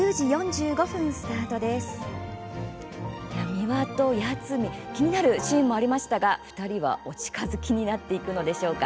ミワと八海、気になるシーンもありましたけれどもお近づきになっていくのでしょうか。